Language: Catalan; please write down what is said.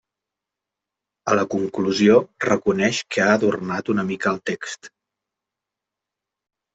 A la conclusió reconeix que ha adornat una mica el text.